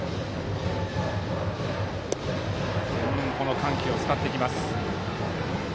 緩急を使ってきます。